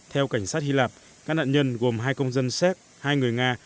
theo cảnh sát hy lạp các nạn nhân gồm hai công dân séc hai người nga